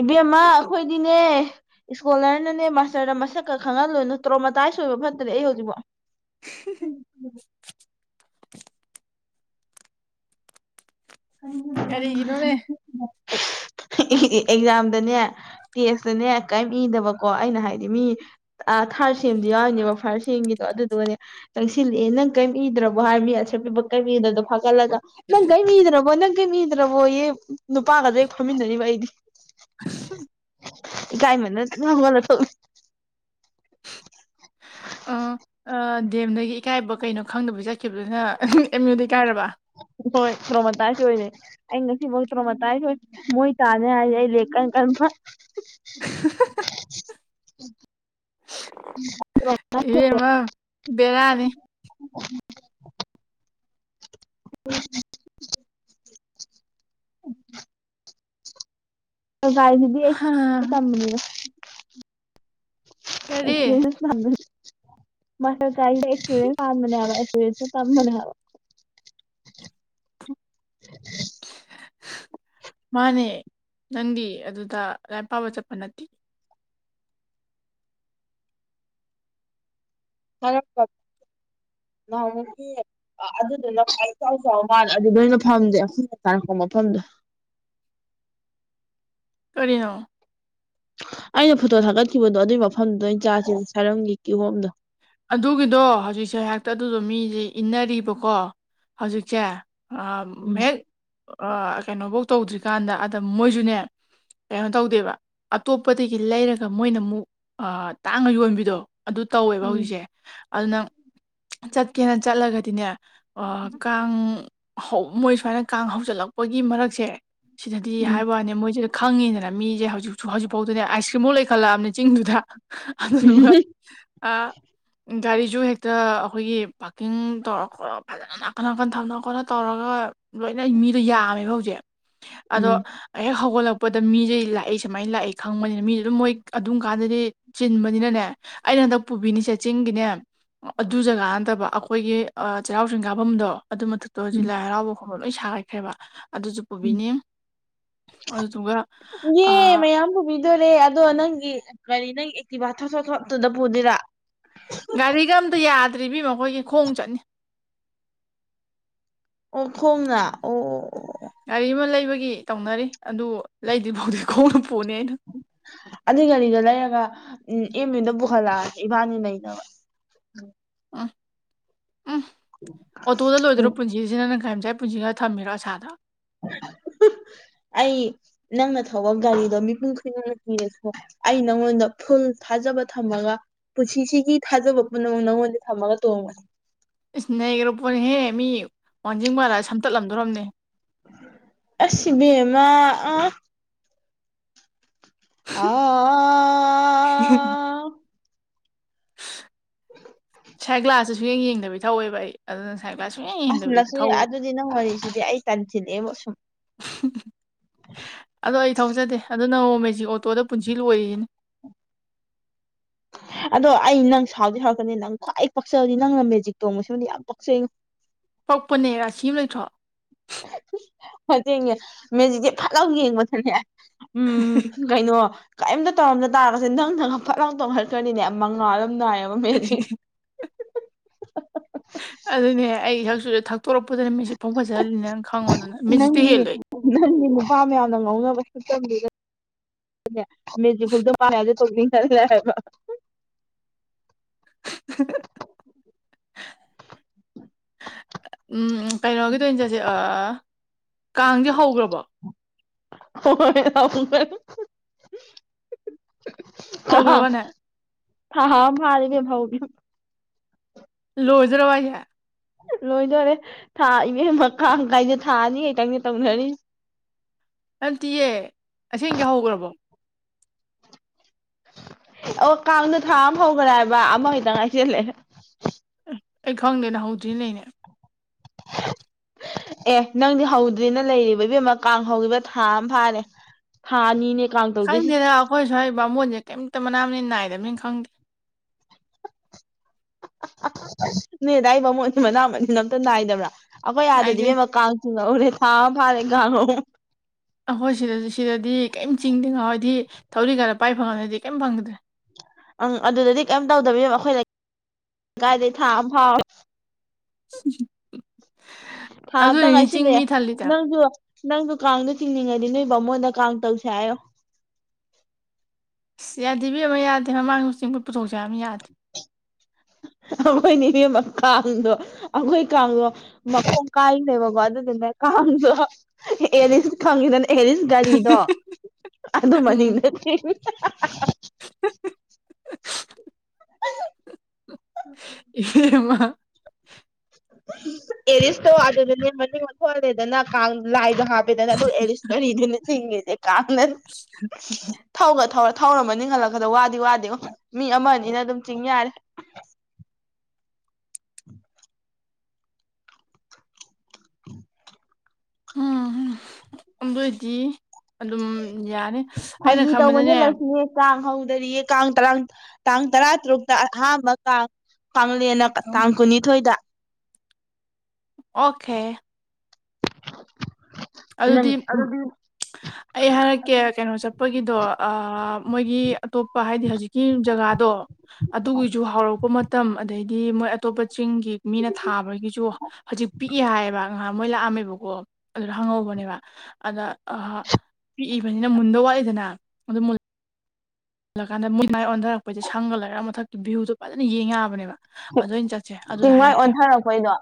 ꯏꯕꯦꯝꯃ ꯑꯩꯈꯣꯏꯗꯤꯅꯦ ꯏꯁꯀꯣꯂꯔꯅꯅꯦ ꯃꯥꯁꯇꯔꯗ ꯃꯁꯛ ꯀꯛ ꯈꯪꯍꯜꯂꯨꯅꯨ ꯇ꯭ꯔꯣꯝꯃꯇꯥꯏ ꯑꯣꯏꯕ ꯐꯠꯇ꯭ꯔꯦ ꯑꯩ ꯍꯧꯖꯤꯛꯐꯥꯎ [inaudible] ꯎꯝ ꯀꯔꯤꯒꯤꯅꯣꯅꯦ ꯎꯝ ꯑꯦꯛꯖꯥꯝꯗꯅꯦ ꯇꯦꯁꯇꯅꯦ ꯀꯔꯤꯝ ꯏꯗꯕꯀꯣ ꯑꯩꯅ ꯍꯥꯏꯗꯤ ꯃꯤ ꯑ ꯊꯥꯔ ꯁꯦꯝꯗꯨ ꯌꯥꯎꯔꯤꯅꯦꯕ ꯐꯥꯔꯁ ꯁꯦꯝꯒꯤꯗꯣ ꯑꯗꯨꯗꯨꯒꯅꯦ ꯆꯪꯁꯤꯜꯂꯛꯑꯦ ꯅꯪ ꯀꯔꯤꯝ ꯏꯗ꯭ꯔꯕꯣ ꯍꯥꯏꯔ ꯃꯤ ꯑꯟꯁꯔ ꯄꯦꯄꯔ ꯀꯩꯝ ꯏꯗ꯭ꯔꯕꯗꯣ ꯐꯥꯒꯠꯂꯒ ꯅꯪ ꯀꯩꯝ ꯏꯗꯔ꯭ꯕꯣ ꯅꯪ ꯀꯩꯝ ꯏꯗ꯭ꯔꯕꯣ ꯑꯦ ꯅꯨꯄꯥꯒꯁꯦ ꯐꯝꯃꯤꯟꯅꯔꯤꯕ ꯑꯩꯗꯤ ꯏꯀꯥꯏꯃꯟꯗꯅ ꯇꯨꯃꯤꯟꯅꯥ ꯍꯧꯒꯠꯂ ꯊꯣꯛꯂꯛ ꯗꯤꯑꯦꯝꯗꯒꯤ ꯏꯀꯥꯏꯕ ꯀꯩꯅꯣ ꯈꯪꯗꯕ ꯆꯠꯈꯤꯕꯗꯨꯅ ꯑꯦꯝ ꯌꯨꯗ ꯏꯀꯥꯏꯔꯕ ꯍꯣꯏ ꯇꯔꯣꯃꯇꯥꯏꯁ ꯑꯣꯏꯔꯦ ꯑꯩ ꯉꯁꯤꯃꯛ ꯇꯔꯣꯃꯥꯇꯥꯏ ꯑꯣꯏ ꯃꯣꯏ ꯇꯥꯅꯦ ꯍꯥꯏꯗꯤ ꯑꯩ ꯂꯥꯏꯔꯤꯛ ꯀꯟ ꯀꯟ ꯏꯕꯦꯝꯃꯥ ꯕꯦꯔꯥꯅꯤ ꯒꯥꯏꯁꯤꯗꯤ ꯍꯥ, ꯑꯩ ꯇꯝꯕꯅꯤꯅ ꯀꯔꯤ ꯑꯩ [unintelligible] [unintelligible] ꯃꯥꯁꯇ꯭ꯔ ꯀꯥꯏꯅꯥ ꯑꯦꯀꯁ꯭ꯄꯥꯔꯤꯌꯦꯟꯁ ꯇꯥꯟꯕꯅꯤ ꯍꯥꯏꯕꯥ ꯑꯦꯀꯁ꯭ꯄꯥꯔꯤꯌꯦꯟꯁꯦ ꯇꯝꯕꯅꯤ [inaudible] ꯃꯥꯅꯦ ꯅꯪꯗꯤ ꯑꯗꯨꯗ ꯂꯥꯏꯔꯤꯛ ꯄꯥꯕ ꯆꯠꯄ ꯅꯠꯇꯦ ꯈꯔꯥ ꯈꯛ ꯅꯍꯥꯟ ꯃꯨꯛꯀꯤ ꯑ ꯑꯗꯨꯗꯨꯅ ꯈ꯭ꯋꯥꯏ ꯏꯆꯥꯎ ꯆꯥꯎꯕ ꯃꯥꯜꯂꯦ ꯑꯗꯨ ꯑꯣꯏꯅ ꯐꯝꯗꯦ ꯑꯩꯈꯣꯏꯅ ꯇꯥꯔꯛꯄ ꯃꯐꯝꯗꯣ ꯀꯔꯤꯅꯣ ꯑꯩꯅ ꯐꯣꯇꯣ ꯊꯥꯒꯠꯈꯤꯕꯗꯣ ꯑꯗꯨꯒꯤ ꯃꯐꯝꯗꯨꯗ ꯑꯣꯏꯅꯥ ꯆꯥꯁꯦ ꯁꯥꯔꯝꯒꯤ ꯀꯤꯍꯣꯝꯗꯣ ꯑꯗꯨꯒꯤꯗꯣ ꯍꯧꯖꯤꯛꯁꯦ ꯍꯦꯛꯇ ꯑꯗꯨꯗꯣ ꯃꯤꯁꯦ ꯏꯟꯅꯔꯤꯕꯀꯣ ꯍꯧꯖꯤꯛꯁꯦ ꯑꯥ ꯎꯝ ꯍꯦꯛ ꯀꯩꯅꯣꯐꯧ ꯇꯧꯗ꯭ꯔꯤꯀꯥꯟꯗ ꯑꯗ ꯃꯣꯏꯁꯨꯅꯦ ꯀꯩꯅꯣ ꯇꯧꯗꯦꯕ ꯑꯇꯣꯞꯄꯗꯒꯤ ꯂꯩꯔꯒ ꯃꯣꯏꯅ ꯑꯃꯨꯛ ꯇꯥꯡꯅꯥ ꯌꯣꯟꯕꯤꯗꯣ ꯑꯗꯨ ꯇꯧꯋꯦꯕ ꯎꯝ ꯍꯧꯖꯤꯛꯁꯦ ꯑꯗꯨꯅꯥ ꯆꯠꯀꯦꯅ ꯆꯠꯂꯒꯗꯤꯅꯦ ꯑꯣ ꯀꯥꯡ ꯍꯧ ꯃꯣꯏ ꯁꯨꯃꯥꯏꯅ ꯀꯥꯡ ꯍꯧꯖꯤꯜꯂꯛꯄꯒꯤ ꯃꯔꯛꯁꯦ ꯁꯤꯗꯗꯤ ꯎꯝ ꯍꯥꯏꯕ ꯋꯥꯅꯦ ꯃꯣꯏꯁꯤꯗ ꯈꯪꯉꯤꯗꯅ ꯃꯤꯁꯦ ꯍꯧꯖꯤꯛꯁꯨ ꯍꯧꯖꯤꯛꯐꯥꯎꯗꯅꯦ ꯑꯥꯏꯁ ꯀ꯭ꯔꯤꯝ ꯕꯧ ꯂꯩꯈꯠꯂꯛꯑꯕꯅꯤ ꯆꯤꯡꯗꯨꯗ ꯑꯗꯨꯒꯥ ꯑꯥ ꯒꯥꯔꯤꯁꯨ ꯍꯦꯛꯇ ꯑꯩꯈꯣꯏꯒꯤ ꯄꯥꯔꯀꯤꯡ ꯇꯧꯔ ꯈꯣꯠꯂ ꯐꯖꯅ ꯅꯥꯀꯟ ꯅꯥꯀꯟ ꯊꯝꯅ ꯈꯣꯠꯅ ꯇꯧꯔꯒ ꯂꯣꯏꯅ ꯃꯤꯗꯣ ꯌꯥꯝꯃꯦꯕ ꯍꯧꯖꯤꯛ ꯑꯗꯣ ꯍꯦꯛ ꯍꯧꯒꯠꯂꯛꯄꯗ ꯃꯤꯁꯦ ꯂꯥꯛꯏ ꯁꯨꯃꯥꯏꯅ ꯂꯥꯛꯏ ꯈꯪꯕꯅꯤꯅ ꯃꯤꯗꯨ ꯑꯗꯨꯝ ꯃꯣꯏ ꯑꯗꯨꯝ ꯀꯥꯟꯗꯗꯤ ꯆꯤꯟꯕꯅꯤꯅꯅꯦ ꯑꯩꯅ ꯍꯟꯗꯛ ꯄꯨꯕꯤꯅꯤꯁꯦ ꯆꯤꯡꯒꯤꯅꯦ ꯑꯗꯨ ꯖꯒꯥ ꯅꯠꯇꯕ ꯑꯩꯈꯣꯏꯒꯤ ꯑꯥ ꯆꯩꯔꯥꯎ ꯆꯤꯡꯈꯥꯐꯝꯗꯣ ꯑꯗꯨ ꯃꯊꯛ ꯇꯣ ꯎꯝ ꯍꯧꯖꯤꯛ ꯎꯝ ꯂꯥꯏ ꯍꯔꯥꯎꯕ ꯈꯣꯝꯕ ꯂꯣꯏ ꯁꯥꯒꯠꯈ꯭ꯔꯦꯕ ꯑꯗꯨꯁꯨ ꯄꯨꯕꯤꯅꯤ ꯑꯗꯨꯗꯨꯒ ꯑꯥ ꯇꯣꯔꯦ ꯑꯗꯣ ꯅꯪꯒꯤ ꯀꯔꯤ ꯅꯪꯒꯤ ꯑꯦꯛꯇꯤꯚꯥ ꯊꯣꯠ ꯊꯣꯠ ꯊꯣꯠ ꯇꯨꯗꯥ ꯄꯨꯗꯣꯏꯔꯥ ꯒꯥꯔꯤꯒ ꯑꯝꯇꯥ ꯌꯥꯗ꯭ꯔꯦ ꯏꯕꯦꯝꯃꯥ ꯑꯥꯈꯣꯏꯒꯤ ꯈꯣꯡꯅꯥ ꯆꯠꯅꯤ ꯑꯣ ꯈꯣꯡꯅꯥ ꯑꯣ ꯑꯣ ꯒꯥꯔꯤ ꯑꯃ ꯂꯩꯕꯒꯤ ꯇꯧꯅꯔꯤ ꯑꯗꯨ ꯂꯩꯗ꯭ꯔꯤ ꯐꯥꯎꯗꯤ ꯈꯣꯡꯅ ꯄꯨꯅꯤ ꯑꯩꯅꯥ ꯑꯗꯨꯏ ꯒꯥꯔꯤꯗꯣ ꯂꯩꯔꯒ ꯎꯝ ꯑꯦꯝ ꯌꯨꯗ ꯄꯨꯍꯜꯂꯛꯑꯁꯦ ꯏꯕꯥꯅꯤ ꯂꯩꯅꯕ ꯎꯝ ꯎꯝ ꯑꯣꯇꯣꯗ ꯂꯣꯏꯗꯣꯔꯥ ꯎꯝ ꯄꯨꯟꯁꯤ ꯄꯨꯟꯁꯤꯁꯦ ꯅꯪꯅꯥ ꯒꯥꯔꯤ ꯃꯆꯥꯒꯤ ꯄꯨꯟꯁꯤꯗꯥ ꯊꯝꯃꯤꯔꯣ ꯑꯁꯥꯗꯣ ꯑꯩ ꯅꯪꯅ ꯊꯧꯕ ꯒꯥꯔꯤꯗꯣ ꯃꯤꯄꯨꯝ ꯈꯨꯗꯤꯡꯃꯛꯅ ꯀꯤꯔꯁꯨ ꯑꯩ ꯅꯪꯉꯣꯟꯗ ꯐꯨꯜ ꯊꯥꯖꯕ ꯊꯝꯃꯒ ꯄꯨꯟꯁꯤꯁꯤꯒꯤ ꯊꯥꯖꯕ ꯄꯨꯝꯅꯃꯛ ꯅꯉꯣꯟꯗ ꯊꯝꯃꯒ ꯇꯣꯡꯕꯅꯤ ꯏꯁ ꯅꯩꯒꯔꯥ‍꯭ ꯄꯣꯠꯅꯤꯍꯦ ꯃꯤ ꯋꯥꯡꯖꯤꯡ ꯕꯥꯖꯔꯗ ꯁꯝꯇꯠꯂꯝꯗꯣꯔꯝꯅꯦ ꯑꯁꯤꯕꯃ [unintelligible] ꯍꯝ ꯁꯥꯏ ꯒ꯭ꯂꯥꯁꯇꯦ ꯁꯨ ꯌꯦꯡꯗꯕꯤ ꯊꯧꯋꯦꯕ ꯑꯩ ꯑꯗꯨꯅ ꯁꯥꯏꯒ꯭ꯂꯥꯁ ꯁꯨꯛꯌꯦꯡ ꯌꯦꯡꯗꯕꯤ ꯊꯧ ꯅ ꯍꯔꯤꯁꯤꯗꯤ ꯑꯩ ꯇꯥꯟꯁꯤꯅ ꯁꯨꯝ ꯑꯗꯣ ꯑꯩ ꯊꯧꯖꯗꯦ ꯑꯗꯨ ꯅꯣꯡꯃꯖꯤꯛ ꯑꯣꯇꯣꯗ ꯄꯨꯟꯁꯤ ꯂꯣꯏꯔꯤꯁꯤꯅꯤ ꯑꯗꯣ ꯑꯩ ꯅꯪ ꯁꯥꯎꯗꯤ ꯍꯧꯔꯛꯀꯅꯤ ꯅꯪ ꯈ꯭ꯋꯥꯏ ꯄꯥꯛꯆꯕꯗꯤ ꯅꯪꯅ ꯃꯦꯖꯤꯛ ꯇꯣꯡꯕꯁꯤꯃꯗꯤ ꯌꯥꯝ ꯄꯛꯆꯩꯩꯅꯣ ꯄꯛꯄꯅꯦ ꯔꯥꯁꯤ ꯑꯃ ꯂꯩꯇ꯭ꯔꯣ ꯃꯇꯦꯡꯅꯦ ꯃꯦꯖꯤꯛꯇꯤ ꯐꯠꯂꯥꯎ ꯌꯦꯡꯕꯗꯅꯦ ꯎꯝ [inaudible] ꯀꯩꯅꯣ ꯀꯔꯤꯝꯇ ꯇꯧꯔꯝꯗ ꯇꯥꯔꯒꯁꯦ ꯅꯪ ꯅꯪ ꯐꯠ ꯂꯥꯎ ꯇꯣꯡꯈꯠꯈ꯭ꯔꯅꯤꯅꯦ ꯃꯉꯥꯜ ꯑꯃꯝ ꯅꯥꯏꯔ ꯑꯣ ꯃꯗꯤ ꯑꯗꯨꯅꯦ ꯑꯩ ꯍꯛꯁꯨꯗ ꯊꯛꯇꯣꯔꯛꯄꯗꯨꯅ ꯃꯦꯖꯤꯛ ꯐꯥꯎ ꯐꯖꯍꯜꯂꯤꯅꯦꯅ ꯈꯪꯉꯣ ꯑꯗꯨꯅ ꯃꯦꯖꯤꯛꯇꯤ ꯍꯦꯜꯂꯣꯏ ꯅꯪꯗꯤ ꯅꯨꯄꯥ ꯃꯌꯥꯝꯅ ꯉꯧꯅꯕ ꯁꯛꯇꯝꯕꯤ ꯃꯦꯖꯤ ꯐꯨꯜꯗ ꯄꯥꯅꯌꯥ ꯇꯧꯗꯕ ꯎꯝ ꯀꯩꯅꯣꯒꯤꯗꯧ ꯑꯣꯏꯅ ꯆꯠꯁꯦ ꯀꯥꯡꯁꯦ ꯍꯧꯈ꯭ꯔꯕꯣ [inaudible] ꯀ ꯍꯧꯒ꯭ꯔꯕꯅꯦ ꯊ ꯃꯥꯔꯔꯤꯕꯦ ꯍꯥꯎꯕꯤ ꯂꯣꯖꯔꯋꯥ ꯂꯣꯏꯗꯣꯔꯦ ꯊꯥ ꯏꯅꯦ ꯃꯈꯥꯡ ꯀꯥꯏꯗ ꯊꯥ ꯑꯅꯤꯈꯛꯇꯪꯅꯦ ꯇꯧꯅꯔꯤꯁ ꯑꯟꯇꯤꯌꯦ ꯑꯁꯦꯡꯒꯤ ꯍꯧꯈ꯭ꯔꯕꯣ ꯑꯣ ꯀꯥꯡꯅ ꯊꯥ ꯑꯃ ꯍꯧꯈ꯭ꯔꯥ ꯍꯥꯏꯕ ꯑꯃꯈꯛꯇꯪ ꯉꯥꯏꯁꯤꯜꯂꯦ ꯑꯦ ꯑꯩ ꯈꯪꯗꯦꯅ ꯍꯧꯗ꯭ꯔꯤꯅꯦ [inaudible] ꯑꯦ ꯅꯪꯗꯤ ꯍꯧꯗ꯭ꯦꯅ ꯂꯩꯔꯤꯕ ꯏꯕꯦꯝꯃ ꯀꯥꯡ ꯍꯧꯈꯤꯕ ꯊꯥ ꯑꯃ ꯐꯥꯔꯦ ꯊꯥ ꯑꯅꯤꯅꯦ ꯀꯥꯡ ꯇꯧꯗꯣꯏꯁꯤ ꯍꯣꯏ ꯁ꯭ꯋꯥꯏ ꯕꯥꯃꯣꯟꯁꯦ ꯀꯩꯝꯇ ꯃꯅꯥꯝꯅꯤ ꯅꯥꯏꯗꯕꯅꯤ ꯈꯪꯗꯦ ꯑ ꯅꯗꯥꯏꯕꯃꯣꯏ ꯃꯅꯥ ꯃꯁꯤꯡꯅ ꯑꯝꯇ ꯅꯥꯏꯗꯕ꯭ꯔꯥ ꯑꯩꯈꯣꯏ ꯅꯥꯏꯗꯦ ꯑꯥꯗꯗꯤꯕꯦꯝꯃ ꯀꯥꯡ ꯎ ꯊꯥ ꯐꯥꯔꯦꯒꯉꯣ ꯑꯩꯈꯣꯏ ꯁꯤꯗꯗꯤ ꯁꯤꯗꯗꯤ ꯀꯔꯤꯝ ꯆꯤꯡꯗꯦ ꯉꯥꯎꯋꯥ ꯍꯥꯏꯗꯤ ꯊꯧꯔꯤ ꯈꯔ ꯄꯥꯏ ꯐꯪꯉꯅꯗꯤ ꯀꯔꯤꯝ ꯐꯪꯗ꯭ꯔꯦ ꯑꯪ ꯑꯗꯨꯗꯗꯤ ꯀꯩꯝ ꯇꯧꯗꯕꯤꯕ ꯑꯩꯈꯣꯏꯗ ꯀꯥꯏꯗꯒꯤ ꯊꯥ ꯑꯃ ꯐꯥꯎ ꯎꯝ ꯊꯥꯕꯇ ꯉꯥꯏꯁꯤꯅꯦ ꯊꯜꯂꯤꯗꯣ ꯅꯪꯁꯨ ꯅꯪꯗꯣ ꯀꯥꯡꯗꯣ ꯆꯤꯡꯅꯤꯡꯉꯗꯤ ꯅꯣꯏ ꯕꯥꯃꯣꯟꯗ ꯀꯥꯡ ꯇꯧꯁꯦ ꯍꯥꯏꯌꯣ ꯑꯁ ꯌꯥꯗꯦꯕꯤ ꯑꯃ ꯌꯥꯗꯦ ꯃꯃꯥꯡꯗ ꯆꯤꯡꯕꯠ ꯄꯨꯊꯣꯛꯆꯦꯕ ꯑꯃ ꯌꯥꯗꯦ ꯈꯣꯏꯅꯤꯅꯦ ꯃ ꯀꯥꯗꯣ ꯑꯩꯈꯣꯏ ꯀꯥꯡꯗꯣ ꯃꯈꯣꯡ ꯀꯥꯏꯅꯦꯕꯀꯣ ꯑꯗꯨꯗꯨꯅ ꯀꯥꯡꯁꯨ ꯑꯦꯅꯤ ꯈꯪꯉꯗꯅꯤ ꯑꯦꯅꯤ ꯒꯥꯔꯤꯗꯣ ꯑꯗꯨꯃꯅꯤꯡ ꯎꯝ ꯅꯠꯇꯦ ꯎꯝ ꯎꯝ [unintelligible] [inaudible] ꯑꯦꯔꯤꯁꯇꯣ ꯑꯗꯨꯗꯅꯦ ꯃꯅꯤꯡ ꯃꯊꯣꯟꯍꯜꯂꯦꯗꯅ ꯀꯥꯡ ꯂꯥꯏꯗꯣ ꯍꯥꯞꯄꯦꯗꯅ ꯑꯗꯨ ꯑꯦꯔꯤꯁ ꯀ ꯏꯗꯤ ꯅ ꯊꯦ ꯀꯥꯥꯟꯅ [inaudible] ꯊꯧꯒ ꯊꯧꯔ ꯊꯧꯔꯝꯕ ꯅꯤꯡꯍꯜꯂꯛꯄꯗ ꯋꯥꯗꯤ ꯋꯥꯗꯤꯀꯣ ꯃꯤ ꯑꯃ ꯑꯅ ꯑꯗꯨꯝ ꯆꯤꯡ ꯌꯥꯔꯦ ꯝꯕꯣꯏꯗꯤ ꯑꯗꯨꯝ ꯌꯥꯔꯦ ꯍꯗ ꯃꯅꯦ ꯂꯁꯃꯤ ꯀꯥꯡ ꯍꯧꯗꯔꯤꯌꯦ ꯀꯥꯡ ꯇꯔꯥꯡ ꯇꯥꯡ ꯇꯔꯥ ꯇꯔꯨꯛꯇ ꯑꯍꯥꯟꯕ ꯄꯦꯟꯅ ꯇꯥꯡ ꯀꯨꯟꯅꯤꯊꯣꯏꯗ ꯑꯣꯀꯦ ꯑꯗꯨꯗꯤ [unintelligible] ꯑꯩ ꯍꯥꯏꯔꯛꯀꯦ ꯀꯩꯅꯣ ꯆꯠꯄꯒꯤꯗꯣ ꯃꯣꯏꯒꯤ ꯑꯇꯣꯞꯄ ꯍꯥꯏꯗꯤ ꯍꯧꯖꯤꯛꯀꯤ ꯖꯒꯥꯗꯣ ꯑꯗꯨꯒꯤꯁꯨ ꯍꯧꯔꯛꯄ ꯃꯇꯝ ꯑꯗꯩꯗꯤ ꯃꯣꯏ ꯑꯇꯣꯞꯄ ꯆꯤꯡꯒꯤ ꯃꯤꯅ ꯊꯥꯕꯒꯤꯁꯨ ꯍꯧꯖꯤꯛ ꯄꯤꯛꯏꯦ ꯍꯥꯏꯌꯦꯕ ꯉꯍꯥꯛ ꯃꯣꯏ ꯂꯥꯛꯑꯝꯃꯦꯕꯀꯣ [unintelligible] ꯑꯣꯜꯂꯀꯥꯟꯗ ꯃꯣꯏꯟ ꯃꯥꯏ ꯑꯣꯟꯊꯔꯛꯄꯁꯦ ꯁꯪꯒ ꯂꯩꯔꯒ ꯃꯊꯛꯇꯀꯤ ꯚꯌꯨꯣ ꯐꯖꯅ ꯌꯦꯡꯉꯛꯑꯕꯅꯦꯕ ꯇꯤꯡꯋꯥꯏ ꯑꯣꯟꯊꯔꯛꯄꯩꯗꯣ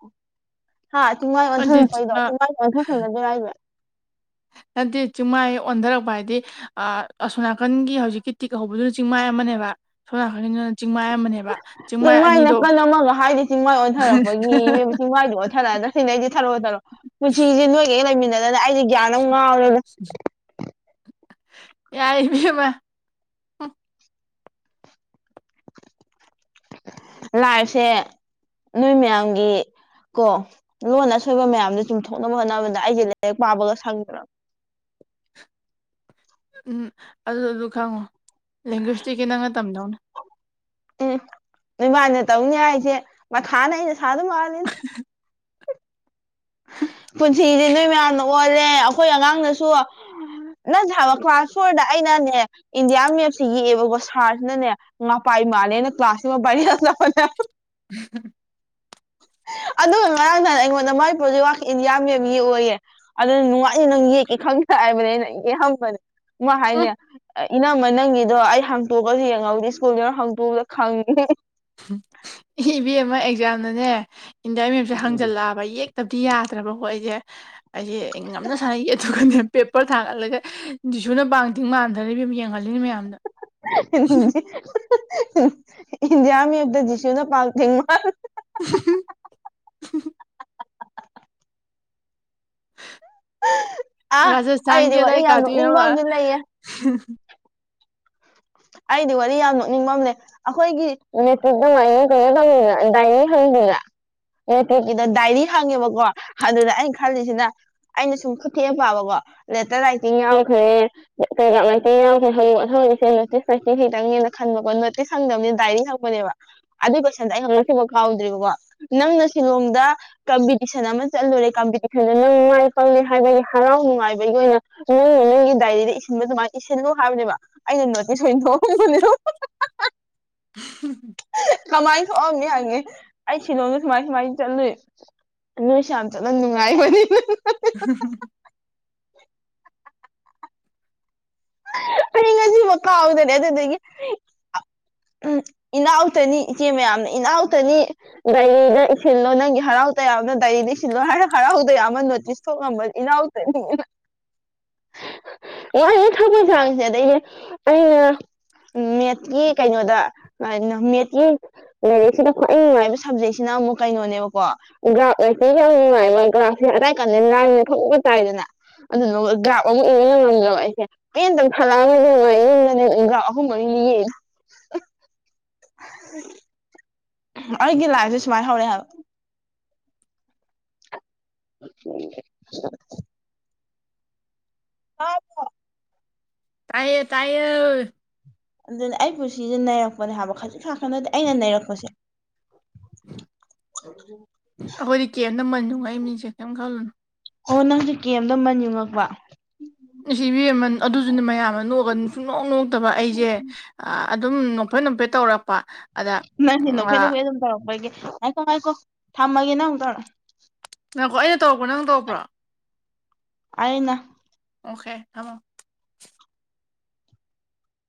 ꯍꯥ ꯆꯤꯡꯃꯥꯏ ꯑꯗꯨꯗꯤ ꯑꯣꯟꯊꯪꯛꯄꯩꯗꯣ ꯑ ꯆꯤꯡꯃꯥꯏ ꯑꯣꯟꯊꯪ ꯊꯪꯗꯦꯔꯏꯕ ꯅꯠꯇꯦ ꯆꯤꯡꯃꯥꯏ ꯑꯣꯟꯊꯔꯛꯄ ꯍꯥꯏꯗꯤ ꯑ ꯑꯁꯣꯅꯥꯀꯟꯒꯤ ꯍꯧꯖꯤꯛꯀꯤ ꯇꯤꯛ ꯍꯧꯕꯗꯨꯅ ꯆꯤꯡꯃꯥꯏ ꯑꯃꯅꯦꯕ ꯑꯁꯣꯝꯅꯥꯀꯟꯒꯤꯗꯨꯅ ꯆꯤꯡꯃꯥꯏ ꯑꯃꯅꯦꯕ ꯆꯤꯡꯃꯥꯏ ꯅꯥꯀꯟ ꯑꯃꯒ ꯍꯥꯏꯗꯤ ꯆꯤꯡꯃꯥꯏ ꯑꯣꯟꯊꯔꯛꯄꯒꯤ ꯆꯤꯡꯃꯥꯏꯗꯨ ꯑꯣꯟꯊꯠꯂꯛꯑꯗ ꯁꯤꯅꯩ ꯑꯩꯗꯤ ꯊꯔꯛꯑꯣ ꯊꯔꯛꯑꯣ ꯄꯨꯟꯁꯤꯦ ꯅꯣꯏꯒ ꯍꯦꯛ ꯂꯩꯃꯤꯟꯅꯗꯅ ꯑꯩꯗꯤ ꯌꯥꯏꯕꯤꯃ ꯂꯥꯏꯐꯁꯦ ꯅꯣꯏ ꯃꯌꯥꯝꯒꯤ ꯀꯣ ꯂꯣꯟ ꯑꯁꯣꯏꯕ ꯃꯌꯥꯝꯗꯣ ꯆꯨꯝꯊꯣꯛꯅꯕ ꯍꯣꯠꯅꯕꯗ ꯑꯩꯁꯦ ꯂꯥꯏꯔꯛ ꯄꯥꯕꯒ ꯁꯪꯗ꯭ꯔ ꯎꯝ ꯑꯗꯨ ꯑꯗꯨ ꯈꯪꯉꯣ ꯂꯦꯡꯒ꯭ꯋꯦꯁꯇꯤ ꯈꯤꯇꯪ ꯃꯇꯝꯗꯧꯅ ꯎꯝ ꯅꯣꯏꯃꯥꯏꯅ ꯇꯧꯅꯤ ꯑꯩꯁꯦ ꯃꯊꯥꯅ ꯑꯩꯅ ꯁꯥ ꯑꯗꯨꯝ ꯃꯥꯥꯛꯑꯅꯤꯗ ꯎꯝ ꯄꯨꯟꯁꯤꯗꯤ ꯅꯣꯏ ꯃꯌꯥꯝꯅ ꯑꯣꯜꯂꯦ ꯑꯩꯈꯣꯏ ꯑꯉꯥꯡꯗꯁꯨ ꯅꯪ ꯁꯥꯕ ꯀ꯭ꯂꯥꯁ ꯐꯣꯔꯗ ꯑꯩꯅꯅꯦ ꯏꯟꯗꯤꯌꯥ ꯃꯦꯞꯁꯤ ꯌꯦꯛꯑꯦꯕꯀꯣ ꯁꯥꯔꯁꯤꯅꯅꯦ ꯉꯄꯥꯏ ꯃꯥꯜꯂꯦꯅ ꯀ꯭ꯂꯥꯁꯁꯤꯃ ꯔꯤꯂꯄꯅꯦ ꯎꯝ ꯑꯗꯨꯒ ꯉꯔꯥꯡ ꯅꯍꯥꯟꯅ ꯑꯩꯉꯣꯟꯗ ꯃꯥꯏ ꯍꯧꯖꯤꯛ ꯋꯥꯈ ꯏꯟ ꯌꯥꯝ ꯌꯥꯝ ꯌꯦꯛꯑꯣꯌꯦꯦ ꯑꯗꯨꯅ ꯅꯨꯡꯉꯥꯏꯏ ꯅꯪ ꯌꯦꯛꯀꯦ ꯈꯪꯗꯦ ꯍꯥꯏꯕꯅꯦ ꯑꯩꯅ ꯌꯦ ꯍꯕꯅꯦ ꯃ ꯍꯥꯏꯅꯦ ꯎꯝ ꯏꯅꯝꯃ ꯅꯪꯒꯤꯗꯣ ꯑꯩ ꯍꯥꯡꯇꯣꯛꯑꯒꯁꯨ ꯌꯦꯡꯍꯧꯗꯦ ꯁ꯭ꯀꯨꯜꯗꯨꯔ ꯍꯥꯡꯇꯣꯛꯑꯒ ꯈꯪꯉꯤ ꯏ ꯚ ꯑꯃ ꯑꯦꯛꯖꯥꯝꯅꯅꯦ ꯏꯟꯗꯤꯌꯥ ꯃꯞꯁꯦ ꯍꯪꯖꯜꯂꯛꯑꯕ ꯌꯦꯛ ꯇꯕꯗꯤ ꯌꯥꯗ꯭ꯔꯕꯀꯣ ꯑꯩꯁꯦ ꯑꯩꯁꯦ ꯑꯩ ꯉꯝꯅ ꯁꯥꯟꯅꯩ ꯑꯗꯨꯒꯗꯤ ꯄꯦꯄꯔ ꯊꯥꯒꯠꯂꯒ ꯁꯨꯅ ꯄꯥꯡꯊꯤꯡ ꯃꯥꯟꯊꯔ ꯌꯦꯡꯍꯜꯂꯤꯅꯤ ꯃꯌꯥꯝꯗ ꯏꯟꯗꯤꯌꯥꯃꯤꯛꯇ ꯖꯤꯁꯨꯨꯅ ꯄꯥꯜ ꯊꯦꯡ ꯃꯥ [unintelligible] ꯑꯥ ꯑꯩꯗꯤ ꯔꯁꯊꯥꯟꯒꯤꯦ ꯋꯥꯔꯤ ꯇꯏ ꯌꯥꯝ ꯀꯥꯗꯤ ꯅꯣꯛꯅꯤꯡꯕ ꯑꯃꯗꯤ ꯂꯩꯌꯦ ꯑꯩꯗꯤ ꯋꯥꯔꯤ ꯌꯥꯝ ꯅꯣꯛꯅꯤꯡꯕꯝꯅꯦ ꯑꯩꯈꯣꯏꯒꯤ ꯃꯦꯇꯛꯇ ꯑꯩꯅ ꯀꯩꯅꯣ ꯇꯪꯗꯅ ꯗꯥꯏꯅꯤꯡ ꯍꯪꯗꯅ ꯑꯣ ꯄꯣꯛꯀꯤꯗ ꯗꯥꯏꯔꯤ ꯍꯪꯉꯦꯕꯀꯣ ꯑꯗꯨꯗ ꯑꯩꯅ ꯈꯜꯂꯤꯁꯤꯅ ꯑꯩꯅ ꯁꯨꯝ ꯈꯨ ꯊꯦꯛꯑ ꯄꯥꯕꯀꯣ ꯂꯦꯇꯔ ꯂꯥꯏꯇꯤꯡ ꯌꯥꯝꯈ꯭ꯔꯦ ꯀꯒ꯭ꯔꯥꯝ ꯂꯥꯏꯇꯤꯡ ꯌꯥꯝꯈ꯭ꯔꯦꯦ ꯅꯣꯇꯤꯁꯇꯁꯤꯈꯤꯇꯪꯅꯦꯅ ꯈꯟꯕꯀꯣ ꯅꯣꯇꯤꯁ ꯍꯪꯗꯕꯅꯤ ꯗꯥꯏꯔꯤ ꯍꯪꯕꯅꯦꯕ ꯑꯗꯨꯏ ꯀꯣꯏꯁꯟꯗ ꯑꯩ ꯍꯧꯪꯛꯁꯤꯕ ꯀꯥꯎꯗ꯭ꯔꯤꯕꯀꯣ ꯅꯪꯅ ꯁꯤꯂꯣꯡꯗ ꯀꯝꯄꯤꯇꯤꯁꯟ ꯑꯃ ꯆꯠꯂꯨꯔꯦ ꯀꯝꯄꯤꯇꯤꯁꯟꯗ ꯅꯪꯉꯥꯏ ꯄꯂ ꯍꯥꯏꯕꯒꯤ ꯍꯔꯥꯎ ꯅꯨꯡꯉꯥꯏꯕꯒꯤ ꯑꯣꯏꯅ ꯅ ꯅꯪꯒꯤ ꯗꯥꯏꯔꯤꯗ ꯏꯁꯤꯟꯕ ꯑꯗꯨꯃꯥꯏꯅ ꯏꯁꯤꯟꯅꯣ ꯍꯥꯏꯕꯅꯦꯕ ꯑꯩꯅ ꯅꯣꯇꯤꯁ ꯑꯣꯏꯅ ꯊꯣꯛꯑꯕꯅꯦ [unintelligible] ꯀꯃꯥꯏꯅ ꯊꯣꯛꯑꯝꯅꯤ ꯍꯥꯏꯪꯅꯤ ꯑꯩ ꯁꯤꯂꯣꯗ ꯁꯨꯃꯥꯏ ꯁꯨꯃꯥꯏꯅ ꯆꯠꯂꯨꯏ ꯅꯣꯏꯁꯨ ꯌꯥꯝ ꯆꯠꯅ ꯅꯨꯡꯉꯥꯏꯕꯅꯤ ꯍ [unintelligible] ꯉꯁꯤ ꯃꯀꯥꯗꯅꯦ ꯑꯗꯨꯗ ꯎꯝ ꯏꯅꯥꯎꯛꯇꯅꯤ ꯏꯆꯦ ꯃꯌꯥꯝꯅ ꯏꯅꯥꯎꯛꯇꯅꯤ ꯗꯥꯏꯔꯤꯗ ꯏꯁꯤꯜꯂꯣ ꯅꯪꯒꯤ ꯍꯔꯥꯎ ꯇꯌꯥꯝꯕꯅ ꯗꯥꯏꯔꯤꯗ ꯏꯁꯤꯜꯂꯣ ꯍꯥꯏ ꯍꯔꯥꯎ ꯇꯌꯥꯝꯕ ꯑꯃ ꯅꯣꯇꯤꯁ ꯊꯣꯛꯉꯝꯕꯅꯤ ꯏꯔꯥꯎ ꯌꯥ [unintelligible] ꯍ ꯃꯖꯥꯁꯦꯗ ꯑ [unintelligible] ꯎ ꯃꯦꯠꯀꯤ ꯀꯩꯅꯣꯗ ꯃꯦꯠꯀꯤ ꯂꯥꯏꯔꯤꯛꯁꯤꯅ ꯈ꯭ꯋꯥꯏ ꯅꯨꯡꯉꯥꯏꯕ ꯁꯕꯖꯦꯛꯁꯤꯅ ꯑꯃꯨꯛ ꯀꯩꯅꯣꯅꯦꯕꯀꯣ ꯒ꯭ꯔꯥꯎ ꯌꯥꯝ ꯅꯨꯡꯉꯥꯏ ꯒ꯭ꯔꯥꯎꯁꯦ ꯑꯗꯥꯏ ꯀꯥꯟꯗ ꯉꯥꯡ ꯊꯣꯛꯄ ꯇꯥꯏꯗꯅ ꯑꯗꯨ ꯒ꯭ꯔꯥꯞ ꯑꯃ ꯑꯣꯅ ꯉꯝꯗ ꯑꯩꯁꯦ ꯑꯇꯪ ꯊꯂꯥꯡꯑꯒꯅꯤ ꯖ ꯑꯍꯨꯝ ꯃꯔꯤꯅꯤ ꯌꯦ ꯎ [unintelligible] ꯑꯩꯒꯤ ꯂꯥꯏꯐꯁꯦ ꯁꯨꯃꯥꯏꯅ ꯍꯧꯔꯛꯑꯕ ꯎ [unintelligible] ꯑꯗ [unintelligible] ꯇꯌꯦ ꯇꯥꯏꯌꯦ ꯑꯗꯨꯅ ꯑꯩ ꯄꯨꯟꯁꯤꯁꯦ ꯅꯩꯔꯛꯄꯅꯦ ꯍꯥꯏꯕ ꯈꯖꯤꯛ ꯈꯔꯛꯀꯥ ꯅꯠꯇꯦ ꯑꯩꯅ ꯅꯩꯔꯛꯄꯁꯦ ꯑꯩꯈꯣꯏꯗꯤ ꯀꯦꯞ ꯅꯃꯜ ꯅꯨꯡꯉꯥꯏ ꯃꯤꯁꯦ ꯀꯔꯤꯝ ꯈꯜꯂꯨꯅ ꯑꯣ ꯅꯪꯁꯦ ꯀꯦꯝꯗ ꯃꯟ ꯌꯉꯛꯄ ꯅꯨꯡꯁꯤꯕꯤꯃꯟ ꯑꯗꯨꯗꯨꯅ ꯃꯌꯥꯝ ꯑꯃ ꯅꯣꯛꯑꯒ ꯁꯨꯡꯅꯣꯛ ꯅꯣꯛꯇꯕ ꯑꯩꯁꯦ ꯑꯗꯨꯝ ꯅꯣꯝꯐꯦꯠ ꯅꯣꯝꯐꯦꯠ ꯇꯧꯔꯛꯄ ꯑꯗ ꯅꯪꯅꯦ ꯅꯈꯣꯏ ꯅꯈꯩ ꯑꯗꯨꯝ ꯇꯧꯔꯛꯄꯒꯦ ꯍꯥꯏꯈꯣ ꯍꯥꯏꯈꯣ ꯊꯝꯃꯒꯦ ꯅꯥꯪꯃꯨꯛ ꯇꯧꯔꯛ ꯑꯣ ꯉꯥꯏꯈꯣ ꯑꯩꯅ ꯇꯧꯔꯛꯄꯔꯥ ꯅꯪ ꯇꯧꯔꯛꯄꯔ ꯑꯩꯅ ꯑꯣꯀꯦ ꯊꯃꯣ